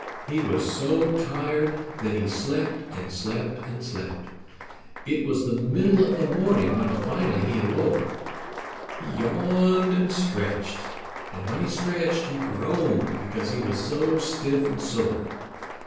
He was so tired that he slept and slept and slept. It was the middle of the morning when finally he awoke. He yawned and stretched, and when he stretched he groaned because he was so stiff and sore.